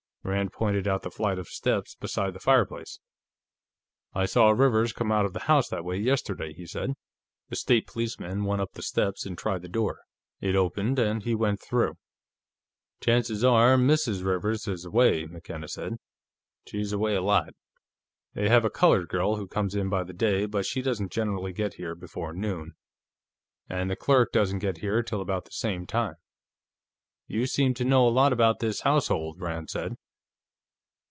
Rand pointed out the flight of steps beside the fireplace. "I saw Rivers come out of the house that way, yesterday," he said. The State Policeman went up the steps and tried the door; it opened, and he went through. "Chances are Mrs. Rivers is away," McKenna said. "She's away a lot. They have a colored girl who comes in by the day, but she doesn't generally get here before noon. And the clerk doesn't get here till about the same time." "You seem to know a lot about this household," Rand said.